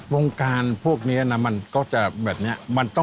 วงการพวกนี้ก็จะแบบนี้